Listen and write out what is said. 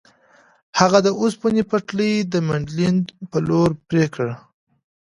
هغه د اوسپنې پټلۍ د مینډلینډ په لور پرې کړه.